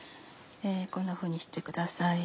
こんなふうにしてください。